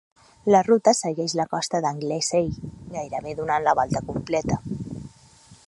La ruta segueix la costa d'Anglesey, gairebé donant la volta completa.